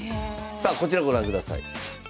さあこちらご覧ください。